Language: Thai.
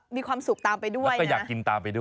มีความสุขตามไปด้วยก็อยากกินตามไปด้วย